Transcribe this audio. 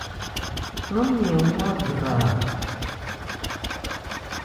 Án nɛn an wá gbraa.